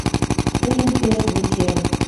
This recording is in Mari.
Тыйым пеш вучем...